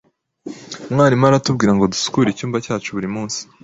Umwarimu aratubwira ngo dusukure icyumba cyacu buri munsi.